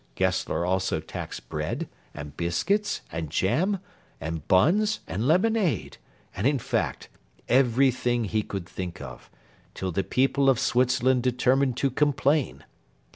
Gessler also taxed bread, and biscuits, and jam, and buns, and lemonade, and, in fact, everything he could think of, till the people of Switzerland determined to complain.